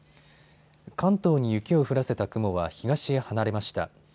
関東に雪を降らせた雲は東へ離れました。